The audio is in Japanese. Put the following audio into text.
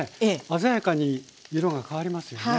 鮮やかに色が変わりますよね。